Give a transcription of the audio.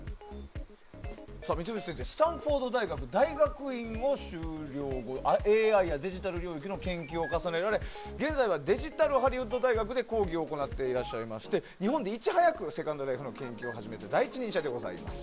三淵先生、スタンフォード大学大学院を修了後ＡＩやデジタル領域の研究を重ねられ現在はデジタルハリウッド大学で講義を行っていらっしゃいまして日本でいち早くセカンドライフの研究を始めた第一人者でございます。